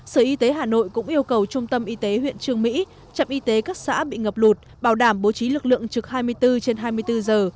sở y tế hà nội cũng yêu cầu trung tâm y tế huyện trường mỹ trạm y tế các xã bị ngập lụt bảo đảm bố trí lực lượng trực hai mươi bốn trên hai mươi bốn giờ